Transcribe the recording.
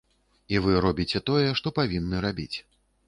І вы рабіце тое, што павінны рабіць.